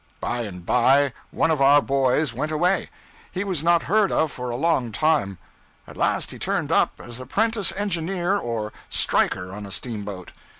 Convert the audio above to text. By and by one of our boys went away. He was not heard of for a long time. At last he turned up as apprentice engineer or 'striker' on a steamboat.